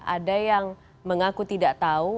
ada yang mengaku tidak tahu